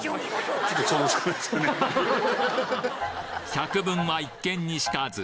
百聞は一見にしかず。